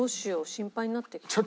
心配になってきた。